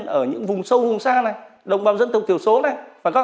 giáo viên ở những vùng sâu vùng xa này đồng bào dân tộc tiểu số này